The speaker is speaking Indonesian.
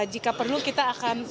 jika perlu kita akan